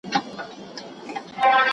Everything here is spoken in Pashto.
ما پرون د یوې غیرتي نجلۍ په اړه واورېدل.